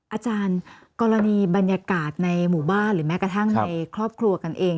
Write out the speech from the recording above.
อาจารย์กรณีบรรยากาศในหมู่บ้านหรือแม้กระทั่งในครอบครัวกันเอง